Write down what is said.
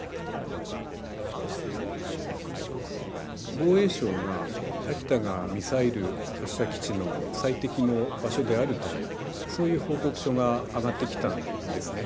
防衛省が秋田がミサイル発射基地の最適の場所であるというそういう報告書があがってきたんですね。